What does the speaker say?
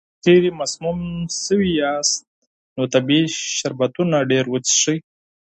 که چېرې مسموم شوي یاست، نو طبیعي شربتونه ډېر وڅښئ.